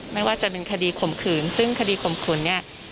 ไม่ว่าจะเป็นคดีข่มขืนซึ่งคดีข่มขืนเนี่ย